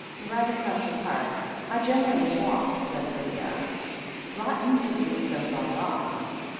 "Right across the Park, I generally walk," said Lydia. "Rotten to be so far off.